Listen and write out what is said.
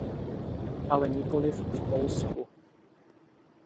Ale nikoliv v Polsku.